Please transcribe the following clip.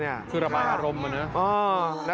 คือระบาดอารมณ์เหมือนกัน